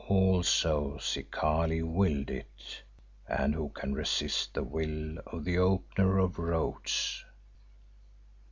Also Zikali willed it, and who can resist the will of the Opener of Roads?